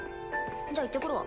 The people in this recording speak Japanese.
じゃあ行ってくるわ。